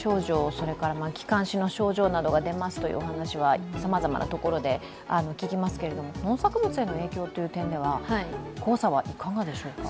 それから気管支の症状などが出ますということは話はさまざまなところで聞きますけれども、農業差物への影響という点では、黄砂はいかがでしょうか？